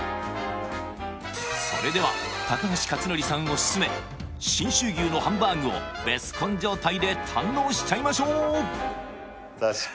それでは高橋克典さんおすすめ信州牛のハンバーグをベスコン状態で堪能しちゃいましょう！